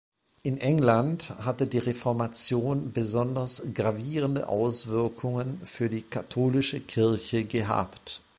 In England hatte die Reformation besonders gravierende Auswirkungen für die katholische Kirche gehabt.